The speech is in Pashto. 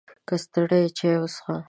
که ستړی یې، چای وڅښه!